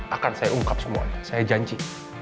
akan saya ungkap semuanya saya janji